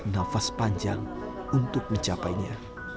nafas panjang untuk mencapainya